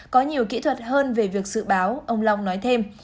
có nhiều kỹ thuật hơn về việc dự báo ông long nói thêm